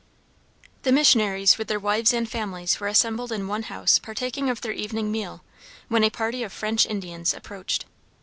The missionaries with their wives and families were assembled in one house partaking of their evening meal, when a party of French Indians approached.